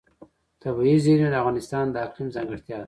طبیعي زیرمې د افغانستان د اقلیم ځانګړتیا ده.